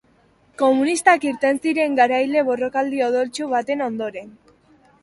Komunistak irten ziren garaile borrokaldi odoltsu baten ondoren.